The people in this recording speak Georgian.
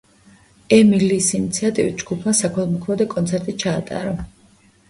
ემი ლის ინიციატივით ჯგუფმა საქველმოქმედო კონცერტი ჩაატარა.